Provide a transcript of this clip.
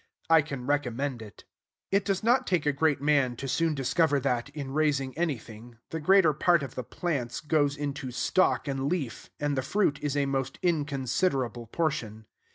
I can recommend it. It does not take a great man to soon discover that, in raising anything, the greater part of the plants goes into stalk and leaf, and the fruit is a most inconsiderable portion.